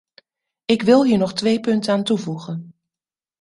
Ik wil hier nog twee punten aan toevoegen.